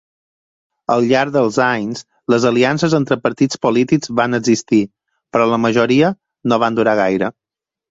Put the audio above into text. Al llarg dels anys, les aliances entre partits polítics van existir, però la majoria no van durar gaire.